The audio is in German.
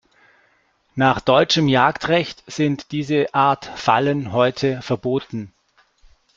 Nach deutschem Jagdrecht sind diese Art Fallen heute verboten.